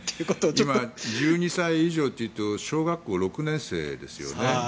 今、１２歳以上というと小学校６年生ですよね。